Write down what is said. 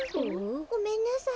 ごめんなさい。